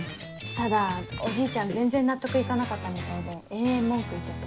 ただおじいちゃん全然納得行かなかったみたいで延々文句言ってて。